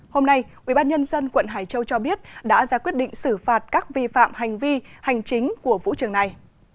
hôm nay ubnd quận hải châu cho biết đã ra quyết định xử phạt các vi phạm hành vi hành chính của vũ trường này